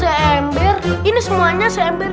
ini ember ini semuanya seember